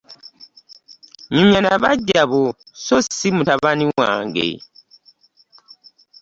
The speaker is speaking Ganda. Nyumya na bagya bo so si mutabani wange.